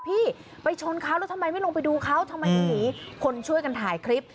พี่ไปชนเขาแล้วทำไมไม่ลงไปดูเขาทำไมไม่หนีคนช่วยกันถ่ายคลิป